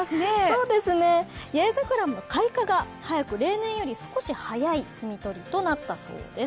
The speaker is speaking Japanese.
そうですね、八重桜も開花が早く例年より少し早い摘み取りとなったそうです。